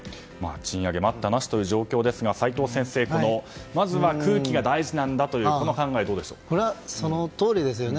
賃上げ、待ったなしという状況ですが齋藤先生、まずは空気が大事なんだというこれはそのとおりですよね。